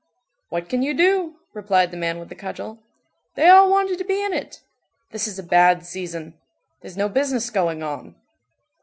"What can you do?" replied the man with the cudgel, "they all wanted to be in it. This is a bad season. There's no business going on."